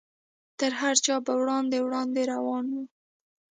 تر هر چا به وړاندې وړاندې روان و.